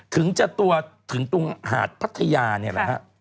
ถึงจะตัวถึงตรงหาดพัทยานี่แหละฮะ